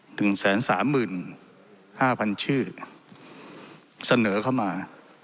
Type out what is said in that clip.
หนึ่งแสนสามหมื่นห้าพันชื่อเสนอเข้ามา